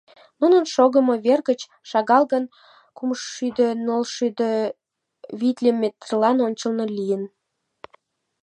Нунын шогымо вер гыч, шагал гын, кумшӱдӧ-нылшӱдӧ витле метрлан ончылно лийын.